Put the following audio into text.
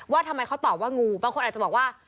ว่างูบางคนอาจจะบอกว่า